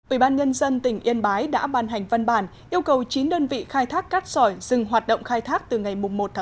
ủy ban nhân dân tỉnh yên bái đã ban hành văn bản yêu cầu chín đơn vị khai thác cát sỏi dừng hoạt động khai thác từ ngày một một mươi hai hai nghìn một mươi tám